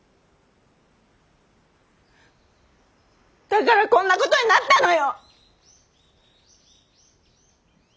だからこんなことになったのよ！